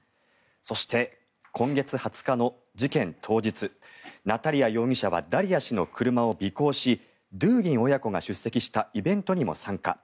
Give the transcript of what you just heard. そして、今月２０日の事件当日ナタリア容疑者はダリヤ氏の車を尾行しドゥーギン親子が出席したイベントにも参加。